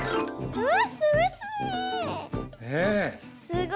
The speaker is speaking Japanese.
うわ。